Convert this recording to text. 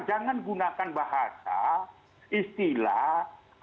jangan gunakan bahasa istilah